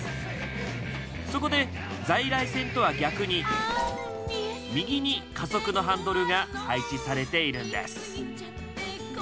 そこで在来線とは逆に右に加速のハンドルが配置されているんです。